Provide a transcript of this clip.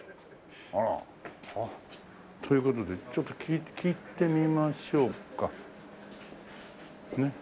あら。という事でちょっと聞いてみましょうかねえ。